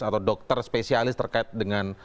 atau dokter spesialis terkait dengan